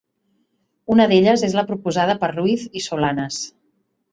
Una d'elles és la proposada per Ruiz i Solanes.